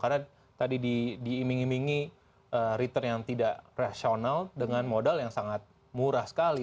karena tadi diiming imingi return yang tidak rasional dengan modal yang sangat murah sekali